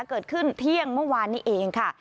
เกิดขึ้นเที่ยงเมื่อวานนี้เองค่ะ